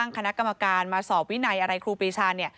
คณะกรรมการมาสอบวินัยอะไรครูปรีชาเนี่ย